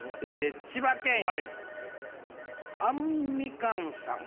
千葉県あんみかんさん。